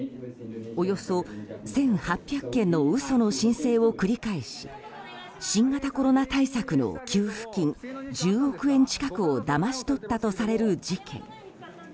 およそ１８００件の嘘の申請を繰り返し新型コロナ対策の給付金１０億円近くをだまし取ったとされる事件。